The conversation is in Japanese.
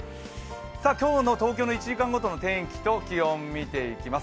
今日の東京の１時間ごとの天気と気温を見ていきます。